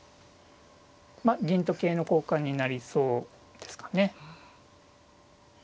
まあ銀と桂の交換になりそうですかね。